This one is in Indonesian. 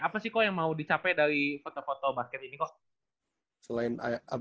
apa sih kok yang mau dicapai dari foto foto basket ini kok